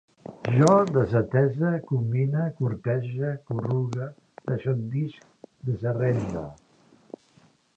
Jo desatese, combine, curtege, corrugue, deixondisc, desarrende